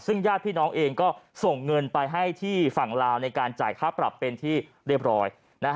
ซึ่งญาติพี่น้องเองก็ส่งเงินไปให้ที่ฝั่งลาวในการจ่ายค่าปรับเป็นที่เรียบร้อย